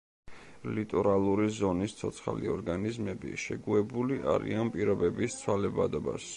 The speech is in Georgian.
ლიტორალური ზონის ცოცხალი ორგანიზმები შეგუებული არიან პირობების ცვალებადობას.